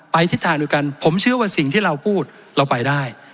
ทิศทางเดียวกันผมเชื่อว่าสิ่งที่เราพูดเราไปได้